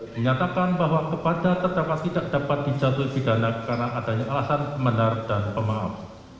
menyatakan bahwa kepada terdapat tidak dapat dijatuhi pidana karena adanya alasan kebenar dan pemaaf